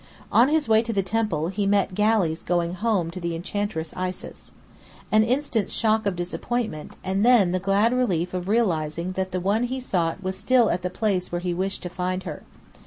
On his way to the temple, he met the galleys going "home" to the Enchantress Isis. An instant's shock of disappointment, and then the glad relief of realizing that the one he sought was still at the place where he wished to find her.